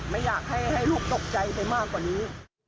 ไม่อยากให้ลูกตกใจไปมากกว่านี้